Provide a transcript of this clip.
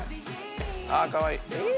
あかわいい。